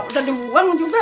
udah dibuang juga